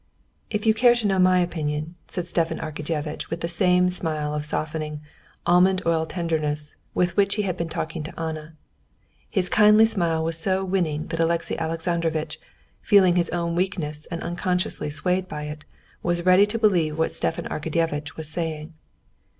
"If you care to know my opinion," said Stepan Arkadyevitch with the same smile of softening, almond oil tenderness with which he had been talking to Anna. His kindly smile was so winning that Alexey Alexandrovitch, feeling his own weakness and unconsciously swayed by it, was ready to believe what Stepan Arkadyevitch was saying.